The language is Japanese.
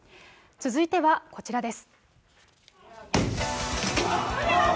続いてはこちらです。